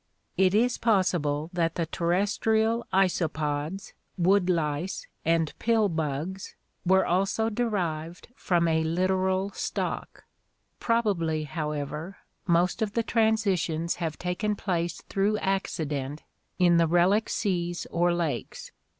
It is possible that the terrestrial isopods, wood lice and pill bugs, were also derived from a littoral stock. Probably, however, most of the transitions have taken place through accident in the relic seas or lakes.